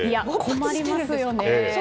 困りますよね。